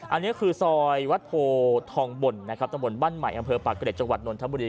อันนี้คือซอยวัดโภษฐองบลนะครับทำบลบ้านใหม่กำเปิ๊ยประเกษจังหวัดโดนธรรมดี